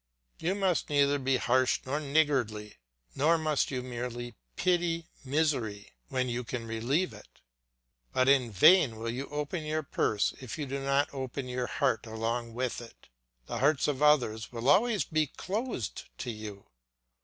You must neither be harsh nor niggardly, nor must you merely pity misery when you can relieve it; but in vain will you open your purse if you do not open your heart along with it, the hearts of others will always be closed to you.